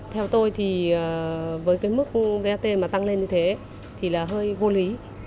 theo tôi thì với cái mức gat mà tăng lên như thế thì là hơi vô lý